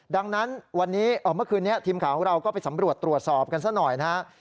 ดังนั้นเมื่อคืนนี้ทีมของเราก็ไปสำรวจตรวจสอบกันซะหน่อยนะฮะ